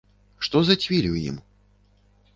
Што за цвіль у ім?